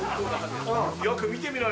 よく見てみろよ。